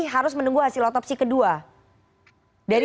harus menunggu hasil otopsi kedua